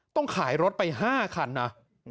ต้องขายรถไป๕คันนะ